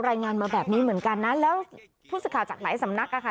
รายงานมาแบบนี้เหมือนกันนะแล้วผู้สื่อข่าวจากหลายสำนักอ่ะค่ะ